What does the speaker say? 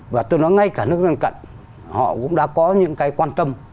và tôi nói ngay cả nước lân cận họ cũng đã có những cái quan tâm